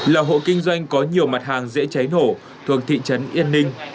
là hộ kinh doanh có nhiều mặt hàng dễ cháy nổ thuộc thị trấn yên ninh